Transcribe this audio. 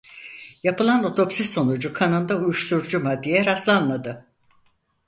Yapılan otopsi sonucu kanında uyuşturucu maddeye rastlanmadı.